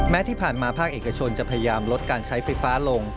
ที่ผ่านมาภาคเอกชนจะพยายามลดการใช้ไฟฟ้าลง